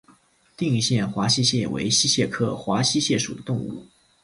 定县华溪蟹为溪蟹科华溪蟹属的动物。